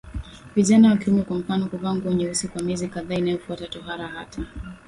Vijana wa kiume kwa mfano huvaa nguo nyeusi kwa miezi kadhaa inayofuata tohara Hata